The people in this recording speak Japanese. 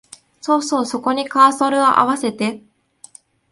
そうそう、そこにカーソルをあわせて